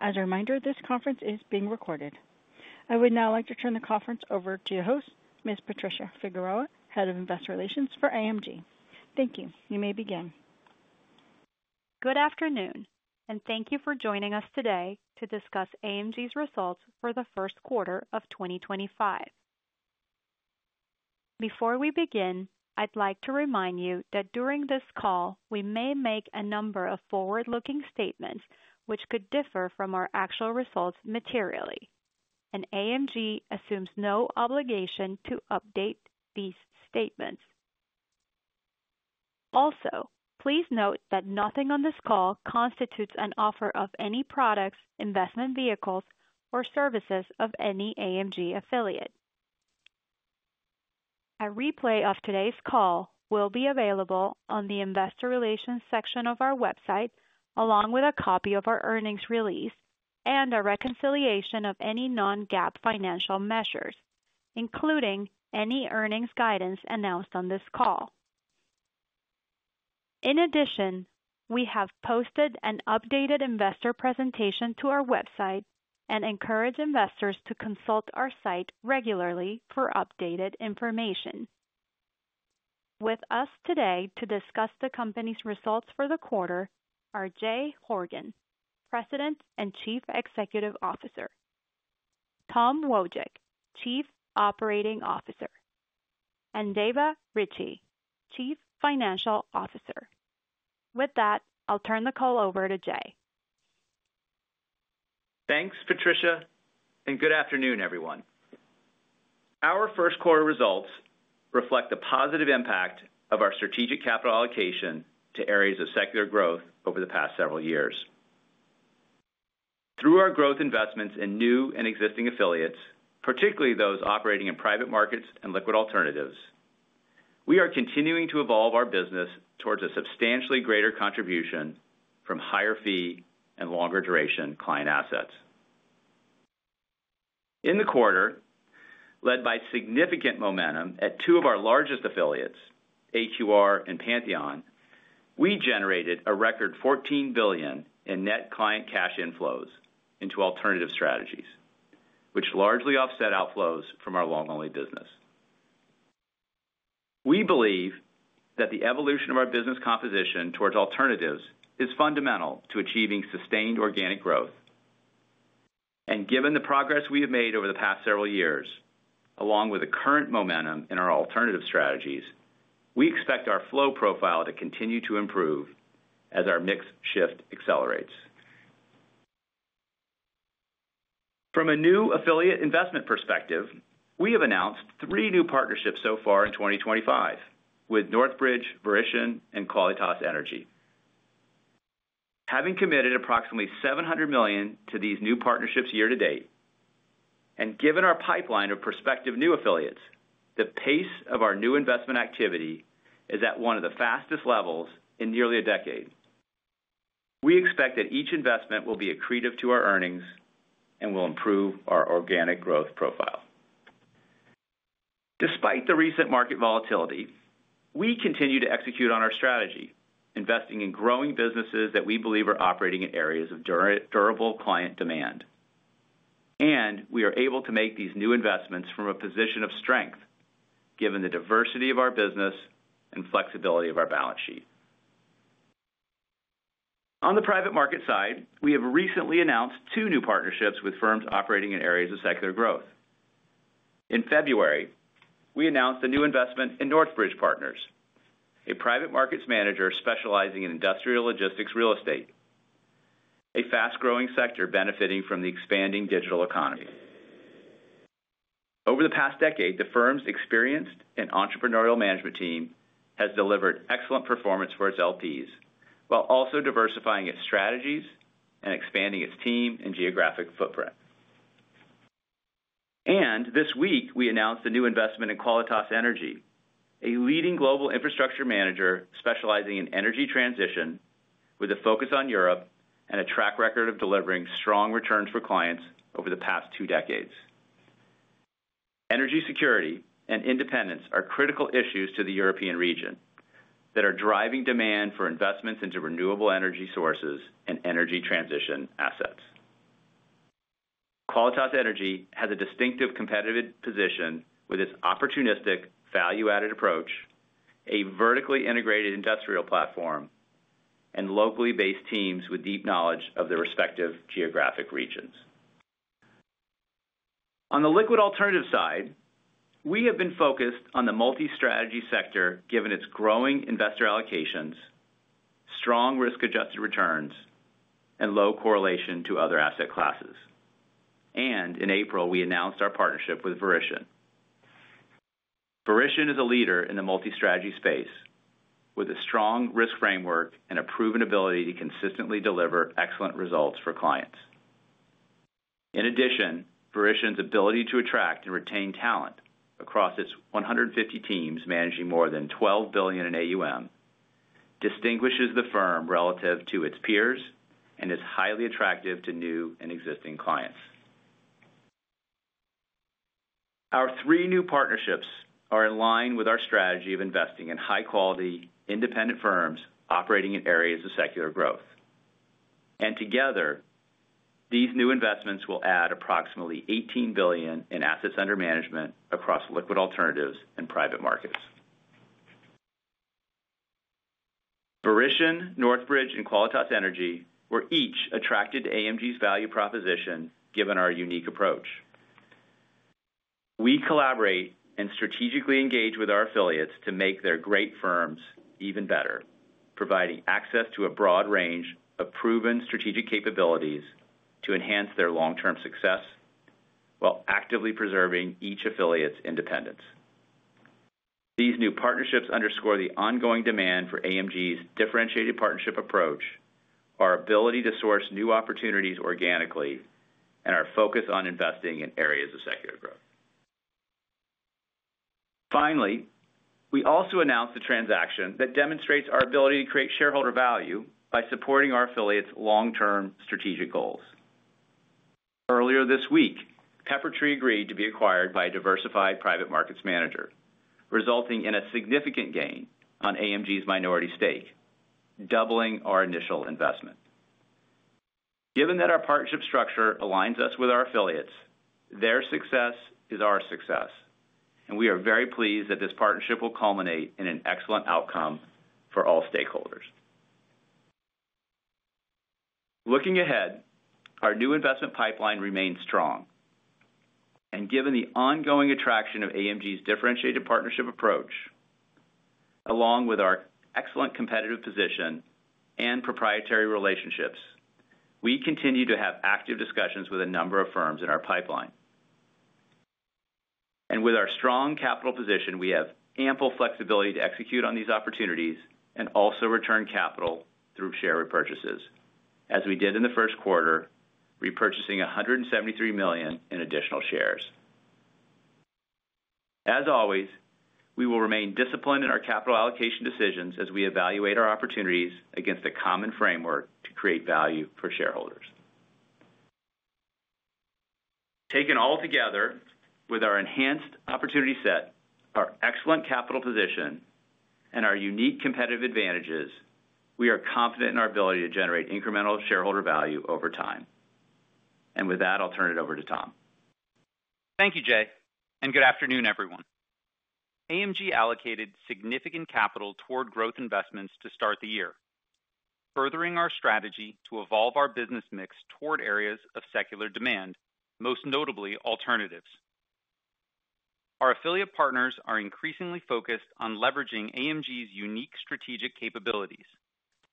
As a reminder, this conference is being recorded. I would now like to turn the conference over to your host, Ms. Patricia Figueroa, Head of Investor Relations for AMG. Thank you. You may begin. Good afternoon, and thank you for joining us today to discuss AMG's results for the first quarter of 2025. Before we begin, I'd like to remind you that during this call, we may make a number of forward-looking statements which could differ from our actual results materially, and AMG assumes no obligation to update these statements. Also, please note that nothing on this call constitutes an offer of any products, investment vehicles, or services of any AMG affiliate. A replay of today's call will be available on the Investor Relations section of our website, along with a copy of our earnings release and a reconciliation of any non-GAAP financial measures, including any earnings guidance announced on this call. In addition, we have posted an updated investor presentation to our website and encourage investors to consult our site regularly for updated information. With us today to discuss the company's results for the quarter are Jay Horgen, President and Chief Executive Officer, Tom Wojcik, Chief Operating Officer, and Dava Ritchea, Chief Financial Officer. With that, I'll turn the call over to Jay. Thanks, Patricia, and good afternoon, everyone. Our first quarter results reflect the positive impact of our strategic capital allocation to areas of secular growth over the past several years. Through our growth investments in new and existing affiliates, particularly those operating in private markets and liquid alternatives, we are continuing to evolve our business towards a substantially greater contribution from higher fee and longer duration client assets. In the quarter, led by significant momentum at two of our largest affiliates, AQR and Pantheon, we generated a record $14 billion in net client cash inflows into alternative strategies, which largely offset outflows from our long-only business. We believe that the evolution of our business composition towards alternatives is fundamental to achieving sustained organic growth, and given the progress we have made over the past several years, along with the current momentum in our alternative strategies, we expect our flow profile to continue to improve as our mix shift accelerates. From a new affiliate investment perspective, we have announced three new partnerships so far in 2025 with NorthBridge, Verisian, and Qualitas Energy. Having committed approximately $700 million to these new partnerships year to date, and given our pipeline of prospective new affiliates, the pace of our new investment activity is at one of the fastest levels in nearly a decade. We expect that each investment will be accretive to our earnings and will improve our organic growth profile. Despite the recent market volatility, we continue to execute on our strategy, investing in growing businesses that we believe are operating in areas of durable client demand, and we are able to make these new investments from a position of strength, given the diversity of our business and flexibility of our balance sheet. On the private market side, we have recently announced two new partnerships with firms operating in areas of secular growth. In February, we announced a new investment in NorthBridge Partners, a private markets manager specializing in industrial logistics real estate, a fast-growing sector benefiting from the expanding digital economy. Over the past decade, the firm's experienced and entrepreneurial management team has delivered excellent performance for its LPs while also diversifying its strategies and expanding its team and geographic footprint. This week, we announced a new investment in Qualitas Energy, a leading global infrastructure manager specializing in energy transition with a focus on Europe and a track record of delivering strong returns for clients over the past two decades. Energy security and independence are critical issues to the European region that are driving demand for investments into renewable energy sources and energy transition assets. Qualitas Energy has a distinctive competitive position with its opportunistic value-added approach, a vertically integrated industrial platform, and locally based teams with deep knowledge of their respective geographic regions. On the liquid alternative side, we have been focused on the multi-strategy sector given its growing investor allocations, strong risk-adjusted returns, and low correlation to other asset classes. In April, we announced our partnership with Verisian. Verisian is a leader in the multi-strategy space with a strong risk framework and a proven ability to consistently deliver excellent results for clients. In addition, Verisian's ability to attract and retain talent across its 150 teams managing more than $12 billion in AUM distinguishes the firm relative to its peers and is highly attractive to new and existing clients. Our three new partnerships are in line with our strategy of investing in high-quality, independent firms operating in areas of secular growth. Together, these new investments will add approximately $18 billion in assets under management across liquid alternatives and private markets. Verisian, NorthBridge, and Qualitas Energy were each attracted to AMG's value proposition given our unique approach. We collaborate and strategically engage with our affiliates to make their great firms even better, providing access to a broad range of proven strategic capabilities to enhance their long-term success while actively preserving each affiliate's independence. These new partnerships underscore the ongoing demand for AMG's differentiated partnership approach, our ability to source new opportunities organically, and our focus on investing in areas of secular growth. Finally, we also announced a transaction that demonstrates our ability to create shareholder value by supporting our affiliates' long-term strategic goals. Earlier this week, Peppertree agreed to be acquired by a diversified private markets manager, resulting in a significant gain on AMG's minority stake, doubling our initial investment. Given that our partnership structure aligns us with our affiliates, their success is our success, and we are very pleased that this partnership will culminate in an excellent outcome for all stakeholders. Looking ahead, our new investment pipeline remains strong, and given the ongoing attraction of AMG's differentiated partnership approach, along with our excellent competitive position and proprietary relationships, we continue to have active discussions with a number of firms in our pipeline. With our strong capital position, we have ample flexibility to execute on these opportunities and also return capital through share repurchases, as we did in the first quarter, repurchasing $173 million in additional shares. As always, we will remain disciplined in our capital allocation decisions as we evaluate our opportunities against a common framework to create value for shareholders. Taken all together, with our enhanced opportunity set, our excellent capital position, and our unique competitive advantages, we are confident in our ability to generate incremental shareholder value over time. With that, I'll turn it over to Tom. Thank you, Jay, and good afternoon, everyone. AMG allocated significant capital toward growth investments to start the year, furthering our strategy to evolve our business mix toward areas of secular demand, most notably alternatives. Our affiliate partners are increasingly focused on leveraging AMG's unique strategic capabilities,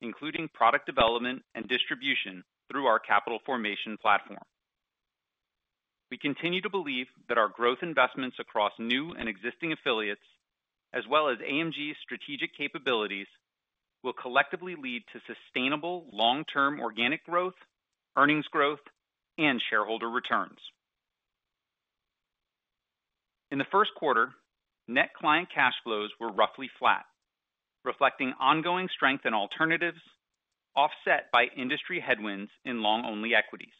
including product development and distribution through our capital formation platform. We continue to believe that our growth investments across new and existing affiliates, as well as AMG's strategic capabilities, will collectively lead to sustainable long-term organic growth, earnings growth, and shareholder returns. In the first quarter, net client cash flows were roughly flat, reflecting ongoing strength in alternatives offset by industry headwinds in long-only equities.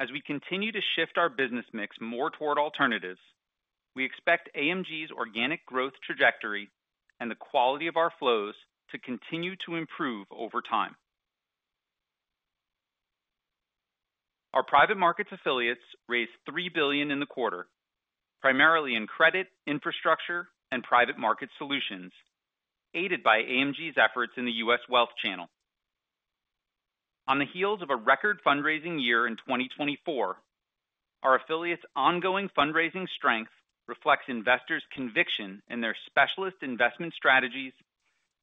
As we continue to shift our business mix more toward alternatives, we expect AMG's organic growth trajectory and the quality of our flows to continue to improve over time. Our private markets affiliates raised $3 billion in the quarter, primarily in credit, infrastructure, and private market solutions, aided by AMG's efforts in the U.S. Wealth Channel. On the heels of a record fundraising year in 2024, our affiliates' ongoing fundraising strength reflects investors' conviction in their specialist investment strategies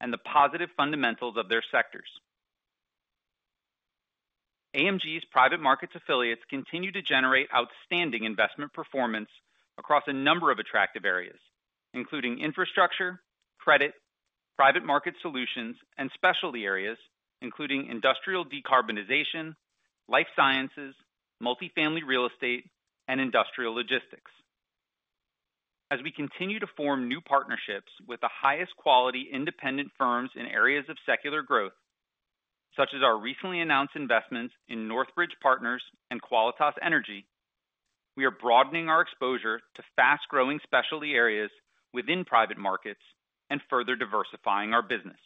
and the positive fundamentals of their sectors. AMG's private markets affiliates continue to generate outstanding investment performance across a number of attractive areas, including infrastructure, credit, private market solutions, and specialty areas, including industrial decarbonization, life sciences, multifamily real estate, and industrial logistics. As we continue to form new partnerships with the highest quality independent firms in areas of secular growth, such as our recently announced investments in NorthBridge Partners and Qualitas Energy, we are broadening our exposure to fast-growing specialty areas within private markets and further diversifying our business.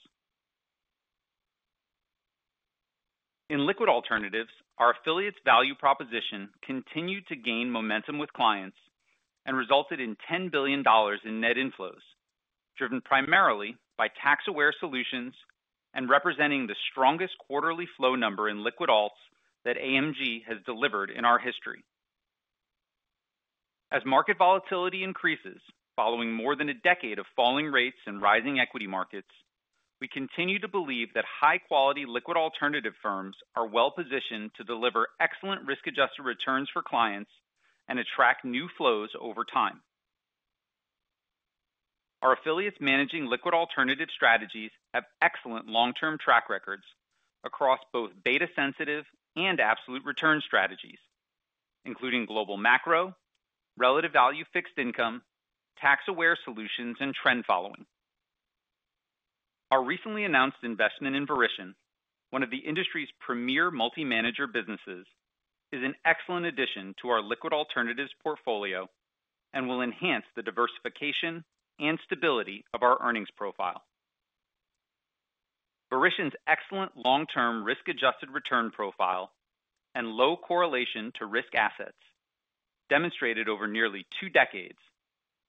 In liquid alternatives, our affiliates' value proposition continued to gain momentum with clients and resulted in $10 billion in net inflows, driven primarily by tax-aware solutions and representing the strongest quarterly flow number in liquid alts that AMG has delivered in our history. As market volatility increases following more than a decade of falling rates and rising equity markets, we continue to believe that high-quality liquid alternative firms are well-positioned to deliver excellent risk-adjusted returns for clients and attract new flows over time. Our affiliates managing liquid alternative strategies have excellent long-term track records across both beta-sensitive and absolute return strategies, including global macro, relative value fixed income, tax-aware solutions, and trend following. Our recently announced investment in Verition, one of the industry's premier multi-manager businesses, is an excellent addition to our liquid alternatives portfolio and will enhance the diversification and stability of our earnings profile. Verisian's excellent long-term risk-adjusted return profile and low correlation to risk assets, demonstrated over nearly two decades,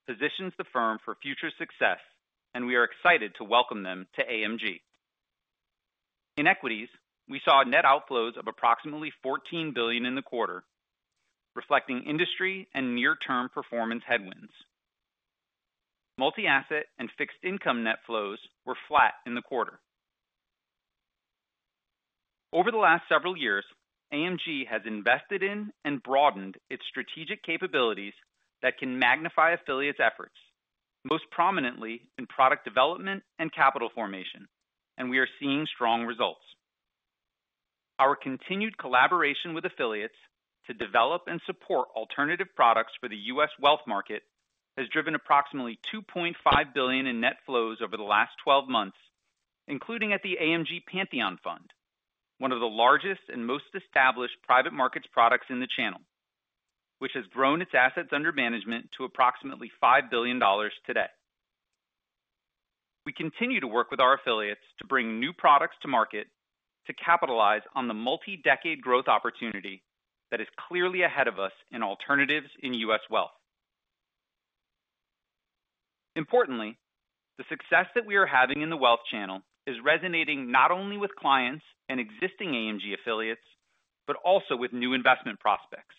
positions the firm for future success, and we are excited to welcome them to AMG. In equities, we saw net outflows of approximately $14 billion in the quarter, reflecting industry and near-term performance headwinds. Multi-asset and fixed income net flows were flat in the quarter. Over the last several years, AMG has invested in and broadened its strategic capabilities that can magnify affiliates' efforts, most prominently in product development and capital formation, and we are seeing strong results. Our continued collaboration with affiliates to develop and support alternative products for the U.S. Wealth Market has driven approximately $2.5 billion in net flows over the last 12 months, including at the AMG Pantheon fund, one of the largest and most established private markets products in the channel, which has grown its assets under management to approximately $5 billion today. We continue to work with our affiliates to bring new products to market to capitalize on the multi-decade growth opportunity that is clearly ahead of us in alternatives in U.S. wealth. Importantly, the success that we are having in the wealth channel is resonating not only with clients and existing AMG affiliates but also with new investment prospects,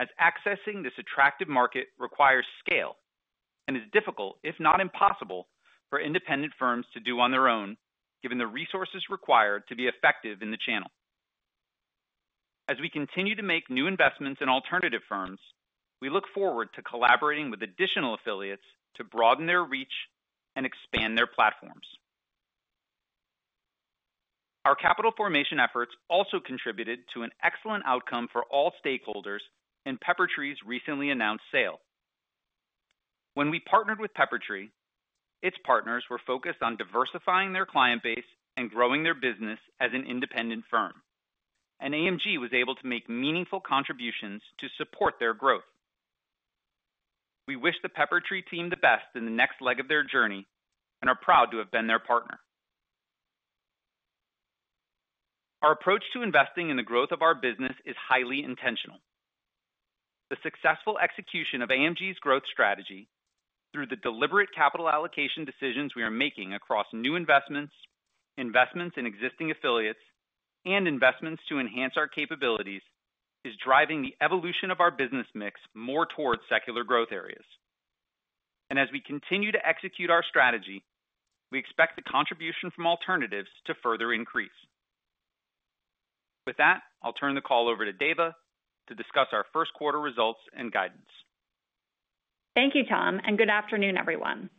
as accessing this attractive market requires scale and is difficult, if not impossible, for independent firms to do on their own, given the resources required to be effective in the channel. As we continue to make new investments in alternative firms, we look forward to collaborating with additional affiliates to broaden their reach and expand their platforms. Our capital formation efforts also contributed to an excellent outcome for all stakeholders in Peppertree's recently announced sale. When we partnered with Peppertree, its partners were focused on diversifying their client base and growing their business as an independent firm, and AMG was able to make meaningful contributions to support their growth. We wish the Peppertree team the best in the next leg of their journey and are proud to have been their partner. Our approach to investing in the growth of our business is highly intentional. The successful execution of AMG's growth strategy through the deliberate capital allocation decisions we are making across new investments, investments in existing affiliates, and investments to enhance our capabilities is driving the evolution of our business mix more towards secular growth areas. As we continue to execute our strategy, we expect the contribution from alternatives to further increase. With that, I'll turn the call over to Dava to discuss our first quarter results and guidance. Thank you, Tom, and good afternoon, everyone.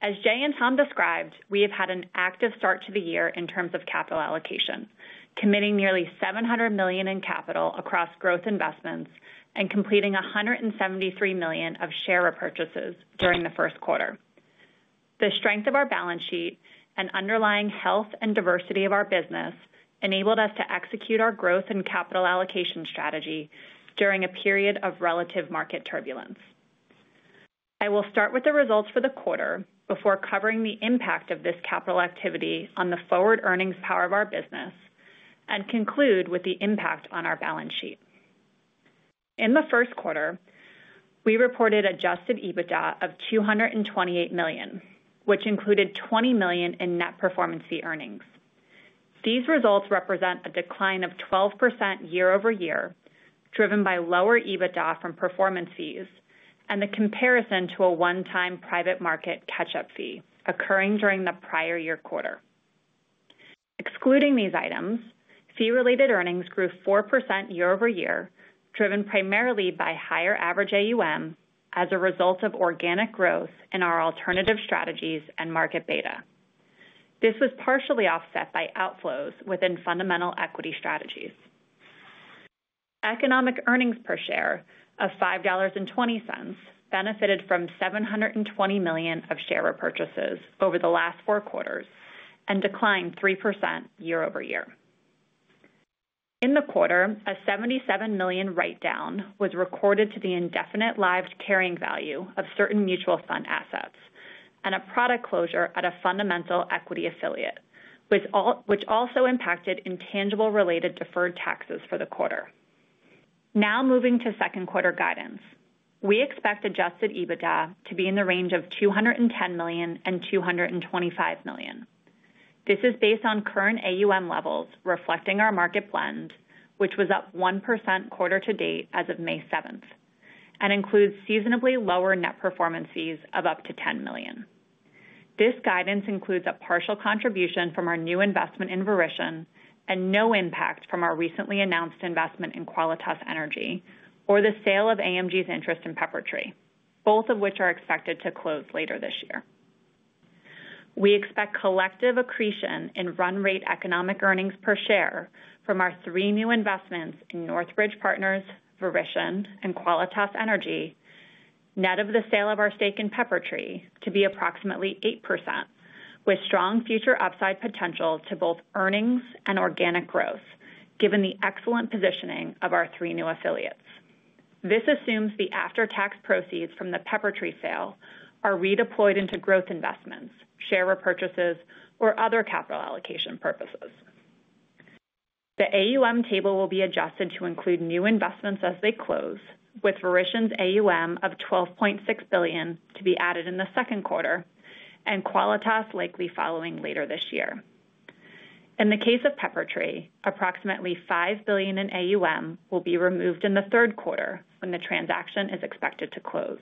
As Jay and Tom described, we have had an active start to the year in terms of capital allocation, committing nearly $700 million in capital across growth investments and completing $173 million of share repurchases during the first quarter. The strength of our balance sheet and underlying health and diversity of our business enabled us to execute our growth and capital allocation strategy during a period of relative market turbulence. I will start with the results for the quarter before covering the impact of this capital activity on the forward earnings power of our business and conclude with the impact on our balance sheet. In the first quarter, we reported adjusted EBITDA of $228 million, which included $20 million in net performance fee earnings. These results represent a decline of 12% year-over-year, driven by lower EBITDA from performance fees and the comparison to a one-time private market catch-up fee occurring during the prior year quarter. Excluding these items, fee-related earnings grew 4% year-over-year, driven primarily by higher average AUM as a result of organic growth in our alternative strategies and market beta. This was partially offset by outflows within fundamental equity strategies. Economic earnings per share of $5.20 benefited from $720 million of share repurchases over the last four quarters and declined 3% year-over-year. In the quarter, a $77 million write-down was recorded to the indefinite live carrying value of certain mutual fund assets and a product closure at a fundamental equity affiliate, which also impacted intangible-related deferred taxes for the quarter. Now moving to second quarter guidance, we expect adjusted EBITDA to be in the range of $210 million-$225 million. This is based on current AUM levels reflecting our market blend, which was up 1% quarter to date as of May 7th, and includes seasonably lower net performance fees of up to $10 million. This guidance includes a partial contribution from our new investment in Verition and no impact from our recently announced investment in Qualitas Energy or the sale of AMG's interest in Peppertree, both of which are expected to close later this year. We expect collective accretion in run rate economic earnings per share from our three new investments in NorthBridge Partners, Verisian, and Qualitas Energy net of the sale of our stake in Peppertree to be approximately 8%, with strong future upside potential to both earnings and organic growth, given the excellent positioning of our three new affiliates. This assumes the after-tax proceeds from the Peppertree sale are redeployed into growth investments, share repurchases, or other capital allocation purposes. The AUM table will be adjusted to include new investments as they close, with Verisian's AUM of $12.6 billion to be added in the second quarter and Qualitas likely following later this year. In the case of Peppertree, approximately $5 billion in AUM will be removed in the third quarter when the transaction is expected to close.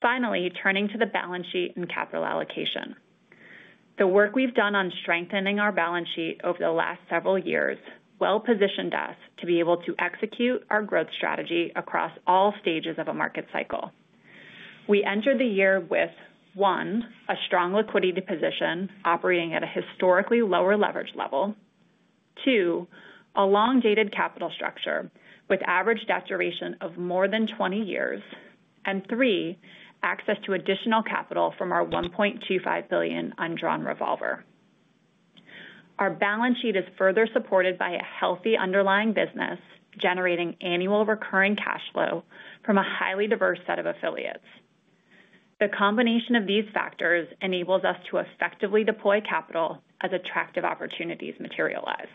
Finally, turning to the balance sheet and capital allocation, the work we've done on strengthening our balance sheet over the last several years well-positioned us to be able to execute our growth strategy across all stages of a market cycle. We entered the year with, one, a strong liquidity position operating at a historically lower leverage level, two, a long-dated capital structure with average debt duration of more than 20 years, and three, access to additional capital from our $1.25 billion undrawn revolver. Our balance sheet is further supported by a healthy underlying business generating annual recurring cash flow from a highly diverse set of affiliates. The combination of these factors enables us to effectively deploy capital as attractive opportunities materialize.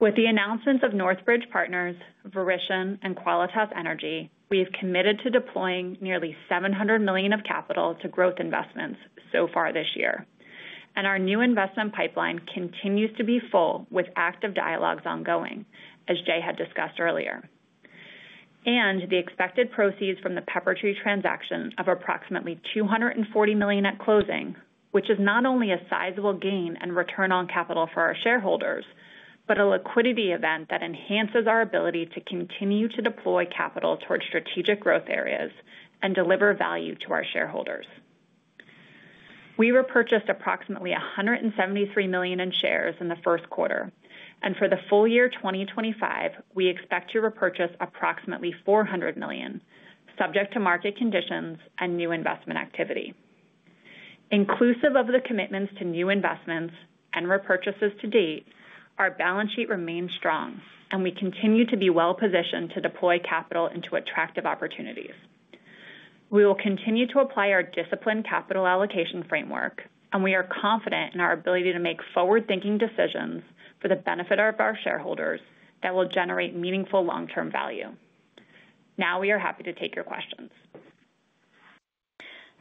With the announcements of NorthBridge Partners, Verisian, and Qualitas Energy, we have committed to deploying nearly $700 million of capital to growth investments so far this year, and our new investment pipeline continues to be full with active dialogues ongoing, as Jay had discussed earlier. The expected proceeds from the Peppertree transaction of approximately $240 million at closing is not only a sizable gain and return on capital for our shareholders but a liquidity event that enhances our ability to continue to deploy capital towards strategic growth areas and deliver value to our shareholders. We repurchased approximately $173 million in shares in the first quarter, and for the full year 2025, we expect to repurchase approximately $400 million, subject to market conditions and new investment activity. Inclusive of the commitments to new investments and repurchases to date, our balance sheet remains strong, and we continue to be well-positioned to deploy capital into attractive opportunities. We will continue to apply our disciplined capital allocation framework, and we are confident in our ability to make forward-thinking decisions for the benefit of our shareholders that will generate meaningful long-term value. Now we are happy to take your questions.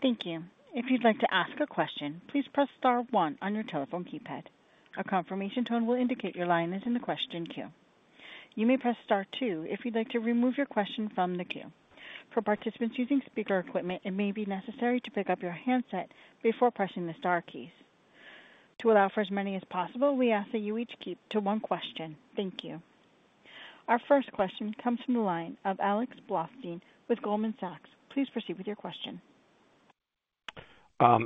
Thank you. If you'd like to ask a question, please press star one on your telephone keypad. A confirmation tone will indicate your line is in the question queue. You may press star two if you'd like to remove your question from the queue. For participants using speaker equipment, it may be necessary to pick up your handset before pressing the star keys. To allow for as many as possible, we ask that you each keep to one question. Thank you. Our first question comes from the line of Alex Blostein with Goldman Sachs. Please proceed with your question.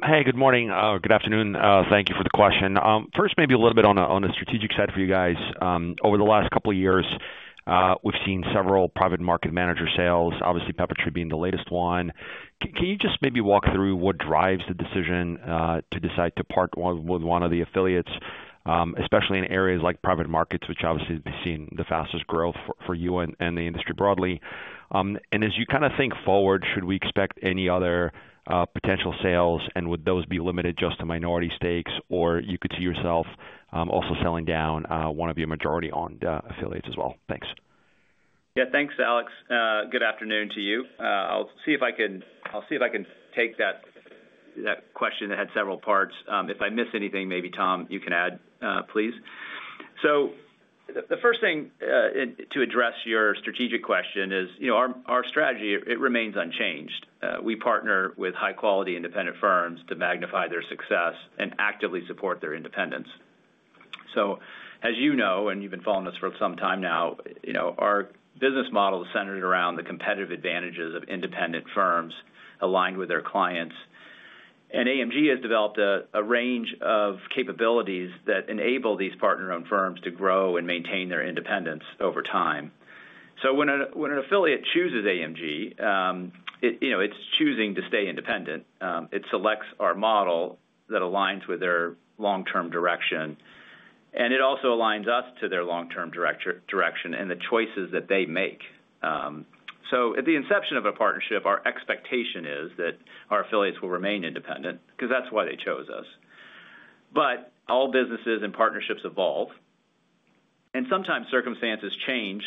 Hey, good morning or good afternoon. Thank you for the question. First, maybe a little bit on the strategic side for you guys. Over the last couple of years, we've seen several private market manager sales, obviously Peppertree being the latest one. Can you just maybe walk through what drives the decision to decide to part with one of the affiliates, especially in areas like private markets, which obviously have seen the fastest growth for you and the industry broadly? As you kind of think forward, should we expect any other potential sales, and would those be limited just to minority stakes, or you could see yourself also selling down one of your majority-owned affiliates as well? Thanks. Yeah, thanks, Alex. Good afternoon to you. I'll see if I can take that question that had several parts. If I miss anything, maybe, Tom, you can add, please. The first thing to address your strategic question is our strategy, it remains unchanged. We partner with high-quality independent firms to magnify their success and actively support their independence. As you know, and you've been following us for some time now, our business model is centered around the competitive advantages of independent firms aligned with their clients. AMG has developed a range of capabilities that enable these partner-owned firms to grow and maintain their independence over time. When an affiliate chooses AMG, it's choosing to stay independent. It selects our model that aligns with their long-term direction, and it also aligns us to their long-term direction and the choices that they make. At the inception of a partnership, our expectation is that our affiliates will remain independent because that's why they chose us. All businesses and partnerships evolve, and sometimes circumstances change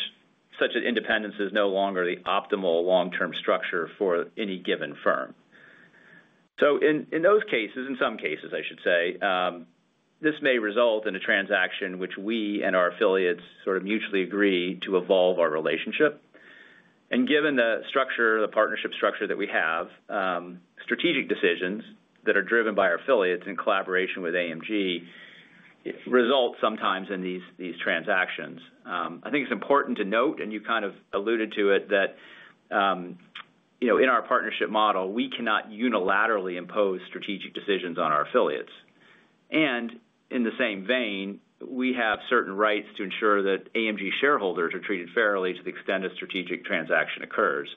such that independence is no longer the optimal long-term structure for any given firm. In those cases, in some cases, I should say, this may result in a transaction which we and our affiliates sort of mutually agree to evolve our relationship. Given the partnership structure that we have, strategic decisions that are driven by our affiliates in collaboration with AMG result sometimes in these transactions. I think it's important to note, and you kind of alluded to it, that in our partnership model, we cannot unilaterally impose strategic decisions on our affiliates. In the same vein, we have certain rights to ensure that AMG shareholders are treated fairly to the extent a strategic transaction occurs.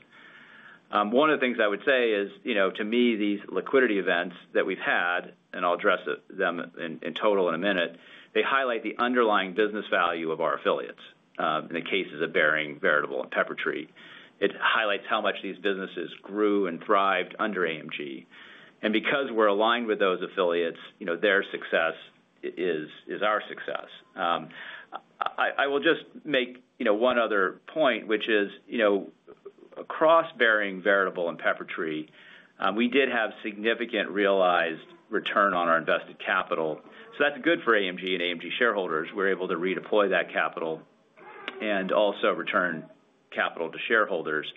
One of the things I would say is, to me, these liquidity events that we've had, and I'll address them in total in a minute, they highlight the underlying business value of our affiliates in the cases of Baring, Veritable, and Peppertree. It highlights how much these businesses grew and thrived under AMG. Because we're aligned with those affiliates, their success is our success. I will just make one other point, which is across Baring, Veritable, and Peppertree, we did have significant realized return on our invested capital. That's good for AMG and AMG shareholders. We're able to redeploy that capital and also return capital to shareholders.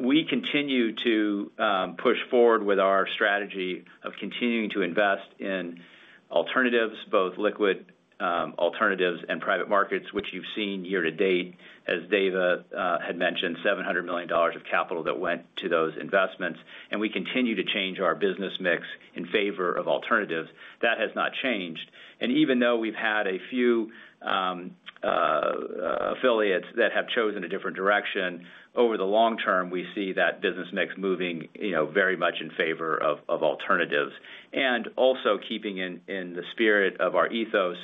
We continue to push forward with our strategy of continuing to invest in alternatives, both liquid alternatives and private markets, which you have seen year to date, as Dava had mentioned, $700 million of capital that went to those investments. We continue to change our business mix in favor of alternatives. That has not changed. Even though we have had a few affiliates that have chosen a different direction, over the long term, we see that business mix moving very much in favor of alternatives. Also, keeping in the spirit of our ethos,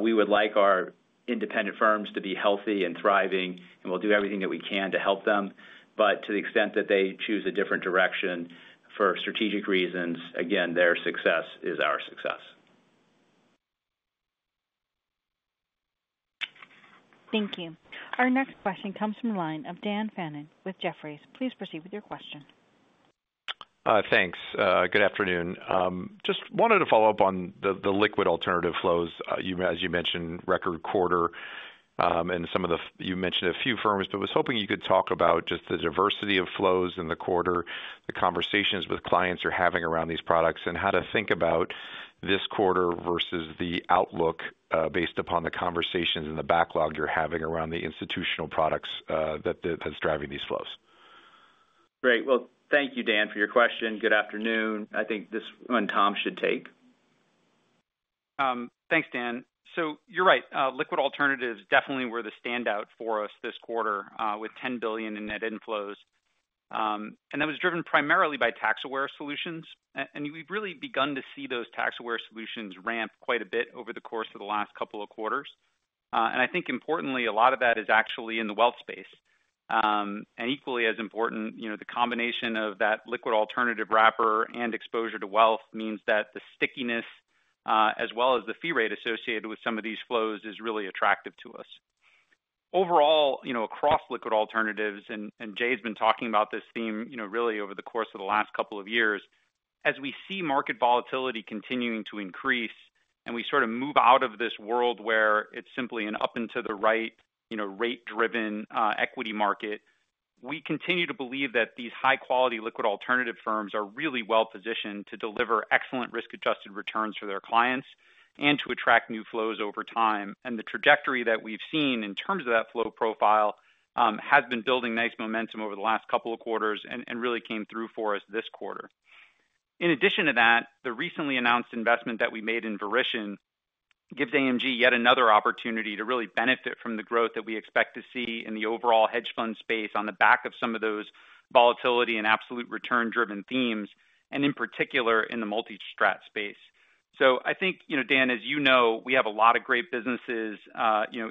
we would like our independent firms to be healthy and thriving, and we will do everything that we can to help them. To the extent that they choose a different direction for strategic reasons, again, their success is our success. Thank you. Our next question comes from the line of Dan Fannon with Jefferies. Please proceed with your question. Thanks. Good afternoon. Just wanted to follow-up on the liquid alternative flows. As you mentioned, record quarter, and you mentioned a few firms, but was hoping you could talk about just the diversity of flows in the quarter, the conversations with clients you're having around these products, and how to think about this quarter versus the outlook based upon the conversations and the backlog you're having around the institutional products that's driving these flows. Great. Thank you, Dan, for your question. Good afternoon. I think this one Tom should take. Thanks, Dan. You are right. Liquid alternatives definitely were the standout for us this quarter with $10 billion in net inflows. That was driven primarily by tax-aware solutions. We have really begun to see those tax-aware solutions ramp quite a bit over the course of the last couple of quarters. I think, importantly, a lot of that is actually in the wealth space. Equally as important, the combination of that liquid alternative wrapper and exposure to wealth means that the stickiness as well as the fee rate associated with some of these flows is really attractive to us. Overall, across liquid alternatives, and Jay has been talking about this theme really over the course of the last couple of years, as we see market volatility continuing to increase and we sort of move out of this world where it is simply an up and to the right rate-driven equity market, we continue to believe that these high-quality liquid alternative firms are really well-positioned to deliver excellent risk-adjusted returns for their clients and to attract new flows over time. The trajectory that we have seen in terms of that flow profile has been building nice momentum over the last couple of quarters and really came through for us this quarter. In addition to that, the recently announced investment that we made in Verition gives AMG yet another opportunity to really benefit from the growth that we expect to see in the overall hedge fund space on the back of some of those volatility and absolute return-driven themes, and in particular in the multi-strat space. I think, Dan, as you know, we have a lot of great businesses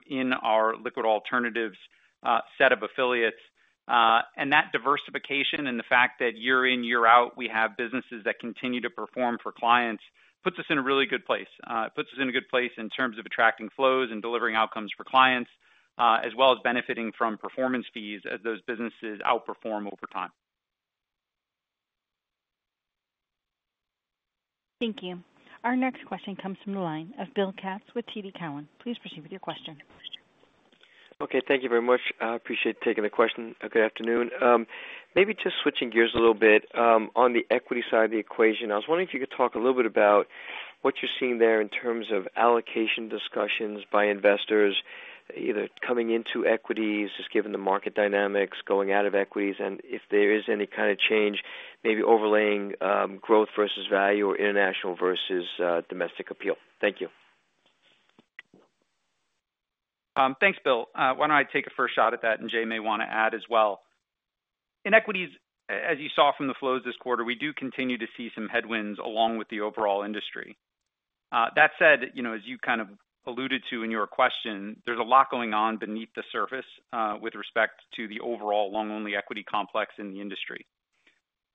in our liquid alternatives set of affiliates. That diversification and the fact that year in, year out, we have businesses that continue to perform for clients puts us in a really good place. It puts us in a good place in terms of attracting flows and delivering outcomes for clients, as well as benefiting from performance fees as those businesses outperform over time. Thank you. Our next question comes from the line of Bill Katz with TD Cowen. Please proceed with your question. Okay. Thank you very much. I appreciate taking the question. Good afternoon. Maybe just switching gears a little bit. On the equity side of the equation, I was wondering if you could talk a little bit about what you're seeing there in terms of allocation discussions by investors, either coming into equities, just given the market dynamics, going out of equities, and if there is any kind of change, maybe overlaying growth versus value or international versus domestic appeal. Thank you. Thanks, Bill. Why don't I take a first shot at that, and Jay may want to add as well. In equities, as you saw from the flows this quarter, we do continue to see some headwinds along with the overall industry. That said, as you kind of alluded to in your question, there's a lot going on beneath the surface with respect to the overall long-only equity complex in the industry.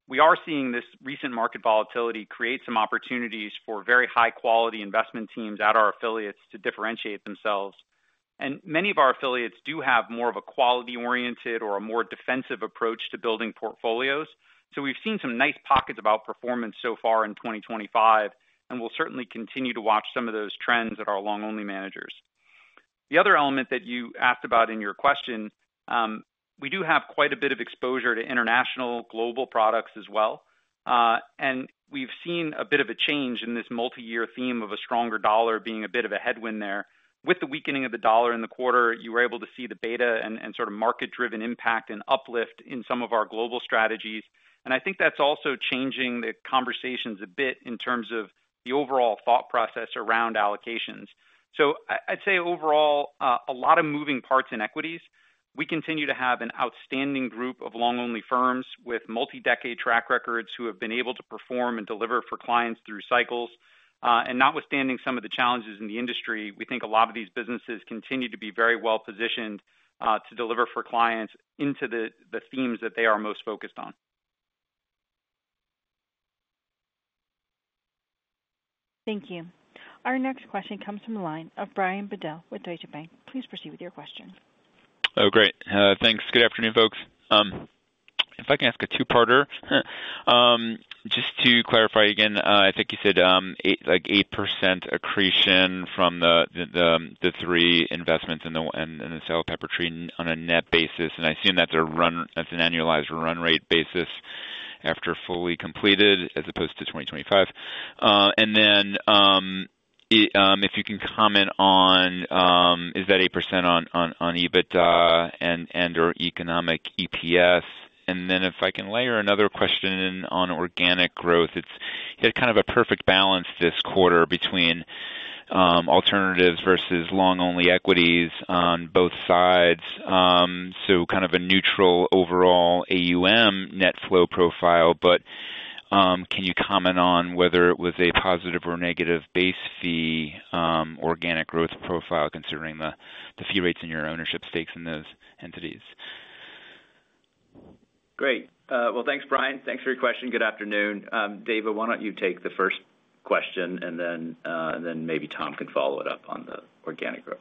We are seeing this recent market volatility create some opportunities for very high-quality investment teams at our affiliates to differentiate themselves. Many of our affiliates do have more of a quality-oriented or a more defensive approach to building portfolios. We have seen some nice pockets of outperformance so far in 2025, and we will certainly continue to watch some of those trends at our long-only managers. The other element that you asked about in your question, we do have quite a bit of exposure to international global products as well. We have seen a bit of a change in this multi-year theme of a stronger dollar being a bit of a headwind there. With the weakening of the dollar in the quarter, you were able to see the beta and sort of market-driven impact and uplift in some of our global strategies. I think that is also changing the conversations a bit in terms of the overall thought process around allocations. I would say overall, a lot of moving parts in equities. We continue to have an outstanding group of long-only firms with multi-decade track records who have been able to perform and deliver for clients through cycles. Notwithstanding some of the challenges in the industry, we think a lot of these businesses continue to be very well-positioned to deliver for clients into the themes that they are most focused on. Thank you. Our next question comes from the line of Brian Bedell with Deutsche Bank. Please proceed with your question. Oh, great. Thanks. Good afternoon, folks. If I can ask a two-parter, just to clarify again, I think you said like 8% accretion from the three investments in the sale of Peppertree on a net basis. I assume that's an annualized run rate basis after fully completed as opposed to 2025. If you can comment on, is that 8% on EBITDA and/or economic EPS? If I can layer another question in on organic growth, it's kind of a perfect balance this quarter between alternatives versus long-only equities on both sides. Kind of a neutral overall AUM net flow profile. Can you comment on whether it was a positive or negative base fee organic growth profile considering the fee rates and your ownership stakes in those entities? Great. Thanks, Brian. Thanks for your question. Good afternoon. Dava, why don't you take the first question? And then maybe Tom can follow it up on the organic growth.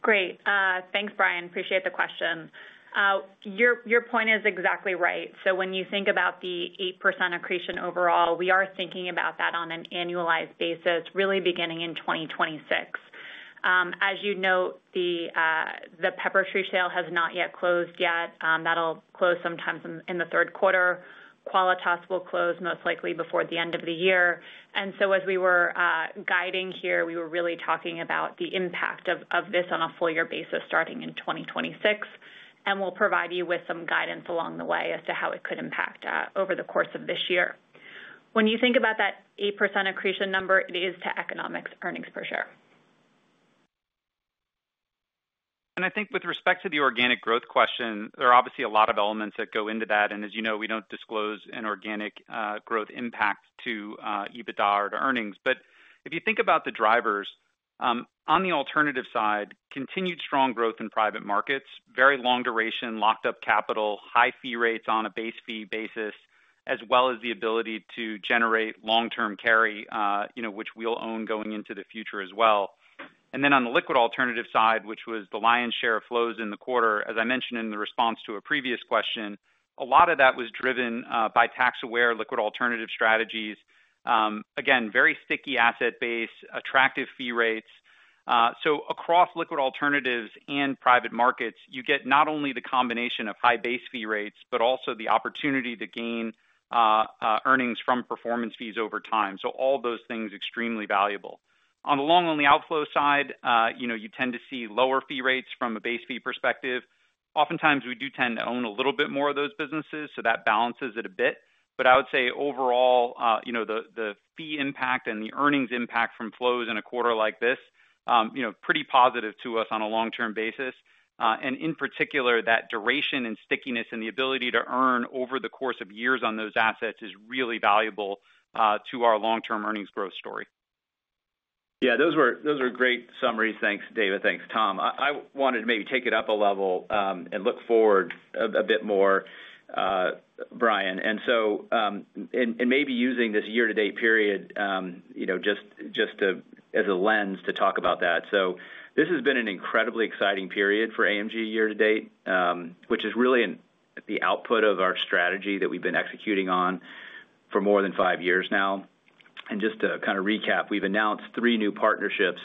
Great. Thanks, Brian. Appreciate the question. Your point is exactly right. When you think about the 8% accretion overall, we are thinking about that on an annualized basis, really beginning in 2026. As you know, the Peppertree sale has not yet closed yet. That'll close sometime in the third quarter. Qualitas will close most likely before the end of the year. As we were guiding here, we were really talking about the impact of this on a full-year basis starting in 2026. We'll provide you with some guidance along the way as to how it could impact over the course of this year. When you think about that 8% accretion number, it is to economic earnings per share. I think with respect to the organic growth question, there are obviously a lot of elements that go into that. As you know, we do not disclose an organic growth impact to EBITDA or to earnings. If you think about the drivers, on the alternative side, continued strong growth in private markets, very long duration, locked-up capital, high fee rates on a base fee basis, as well as the ability to generate long-term carry, which we will own going into the future as well. On the liquid alternative side, which was the lion's share of flows in the quarter, as I mentioned in the response to a previous question, a lot of that was driven by tax-aware liquid alternative strategies. Again, very sticky asset base, attractive fee rates. Across liquid alternatives and private markets, you get not only the combination of high base fee rates, but also the opportunity to gain earnings from performance fees over time. All those things are extremely valuable. On the long-only outflow side, you tend to see lower fee rates from a base fee perspective. Oftentimes, we do tend to own a little bit more of those businesses, so that balances it a bit. I would say overall, the fee impact and the earnings impact from flows in a quarter like this are pretty positive to us on a long-term basis. In particular, that duration and stickiness and the ability to earn over the course of years on those assets is really valuable to our long-term earnings growth story. Yeah, those were great summaries. Thanks, Dava. Thanks, Tom. I wanted to maybe take it up a level and look forward a bit more, Brian. And maybe using this year-to-date period just as a lens to talk about that. This has been an incredibly exciting period for AMG year-to-date, which is really the output of our strategy that we've been executing on for more than five years now. Just to kind of recap, we've announced three new partnerships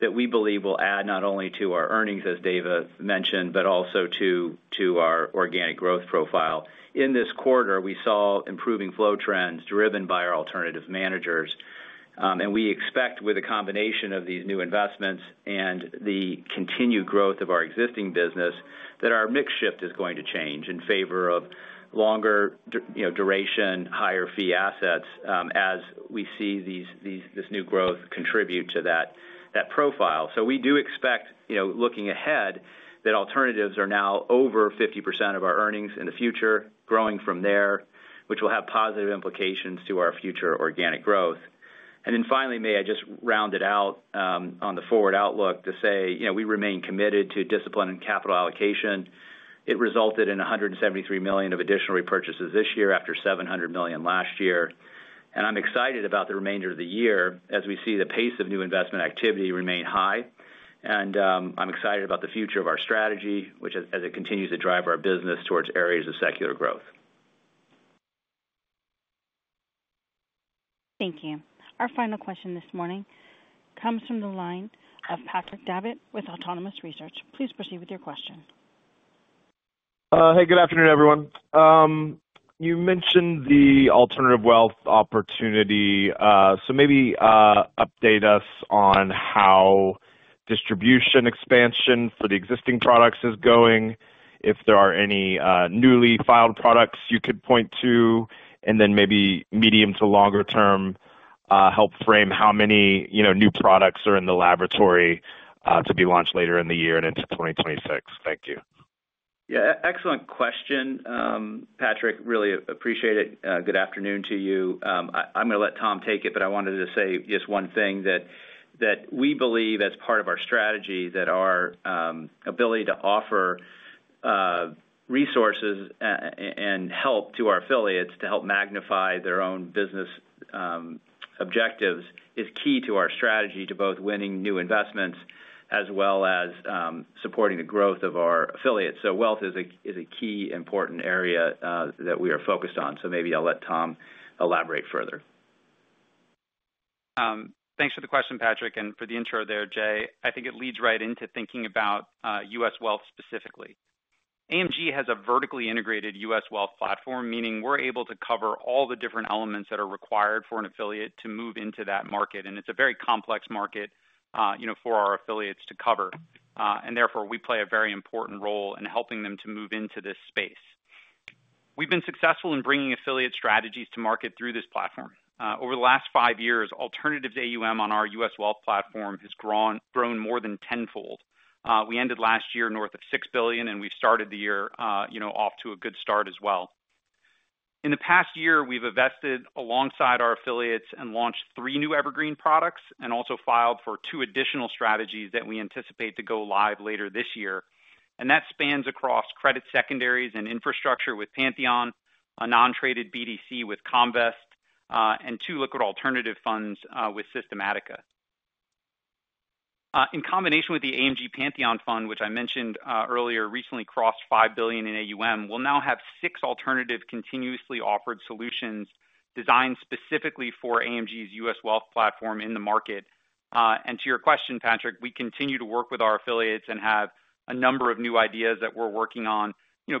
that we believe will add not only to our earnings, as Dava mentioned, but also to our organic growth profile. In this quarter, we saw improving flow trends driven by our alternative managers. We expect with a combination of these new investments and the continued growth of our existing business that our mix shift is going to change in favor of longer duration, higher fee assets as we see this new growth contribute to that profile. We do expect, looking ahead, that alternatives are now over 50% of our earnings in the future, growing from there, which will have positive implications to our future organic growth. Finally, may I just round it out on the forward outlook to say we remain committed to discipline and capital allocation. It resulted in $173 million of additional repurchases this year after $700 million last year. I'm excited about the remainder of the year as we see the pace of new investment activity remain high. I'm excited about the future of our strategy, which, as it continues, will drive our business towards areas of secular growth. Thank you. Our final question this morning comes from the line of Patrick Davitt with Autonomous Research. Please proceed with your question. Hey, good afternoon, everyone. You mentioned the alternative wealth opportunity. Maybe update us on how distribution expansion for the existing products is going? If there are any newly filed products you could point to? And then maybe medium to longer term help frame how many new products are in the laboratory to be launched later in the year and into 2026? Thank you. Yeah, excellent question, Patrick. Really appreciate it. Good afternoon to you. I'm going to let Tom take it, but I wanted to say just one thing that we believe as part of our strategy that our ability to offer resources and help to our affiliates to help magnify their own business objectives is key to our strategy to both winning new investments as well as supporting the growth of our affiliates. Wealth is a key important area that we are focused on. Maybe I'll let Tom elaborate further. Thanks for the question, Patrick. For the intro there, Jay, I think it leads right into thinking about U.S. wealth specifically. AMG has a vertically integrated U.S. wealth platform, meaning we're able to cover all the different elements that are required for an affiliate to move into that market. It's a very complex market for our affiliates to cover. Therefore, we play a very important role in helping them to move into this space. We've been successful in bringing affiliate strategies to market through this platform. Over the last five years, alternatives AUM on our U.S. wealth platform has grown more than tenfold. We ended last year north of $6 billion, and we've started the year off to a good start as well. In the past year, we've invested alongside our affiliates and launched three new evergreen products and also filed for two additional strategies that we anticipate to go live later this year. That spans across credit, secondaries, and infrastructure with Pantheon, a non-traded BDC with Comvest, and two liquid alternative funds with Systematica. In combination with the AMG Pantheon fund, which I mentioned earlier, recently crossed $5 billion in AUM, we'll now have six alternative continuously offered solutions designed specifically for AMG's U.S. wealth platform in the market. To your question, Patrick, we continue to work with our affiliates and have a number of new ideas that we're working on,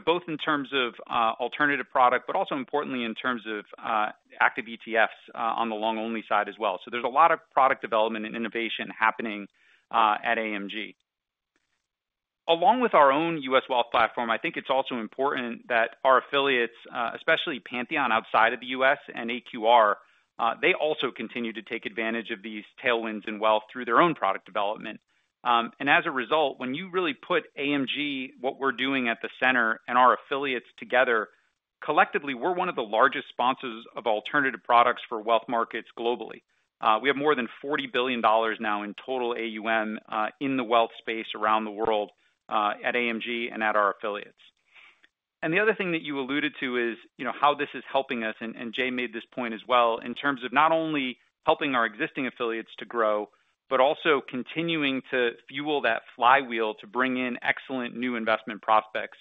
both in terms of alternative product, but also importantly in terms of active ETFs on the long-only side as well. There is a lot of product development and innovation happening at AMG. Along with our own U.S. wealth platform, I think it's also important that our affiliates, especially Pantheon outside of the U.S. and AQR, they also continue to take advantage of these tailwinds in wealth through their own product development. As a result, when you really put AMG, what we're doing at the center, and our affiliates together, collectively, we're one of the largest sponsors of alternative products for wealth markets globally. We have more than $40 billion now in total AUM in the wealth space around the world at AMG and at our affiliates. The other thing that you alluded to is how this is helping us, and Jay made this point as well, in terms of not only helping our existing affiliates to grow, but also continuing to fuel that flywheel to bring in excellent new investment prospects.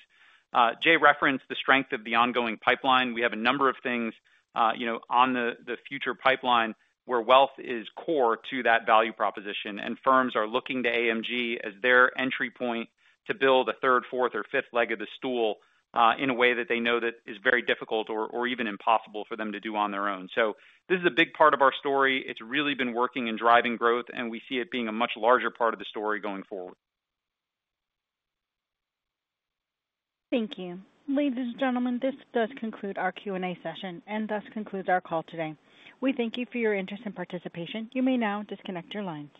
Jay referenced the strength of the ongoing pipeline. We have a number of things on the future pipeline where wealth is core to that value proposition. Firms are looking to AMG as their entry point to build a third, fourth, or fifth leg of the stool in a way that they know that is very difficult or even impossible for them to do on their own. This is a big part of our story. It has really been working and driving growth, and we see it being a much larger part of the story going forward. Thank you. Ladies and gentlemen, this does conclude our Q&A session and thus concludes our call today. We thank you for your interest and participation. You may now disconnect your line.